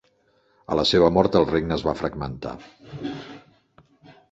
A la seva mort el regne es va fragmentar.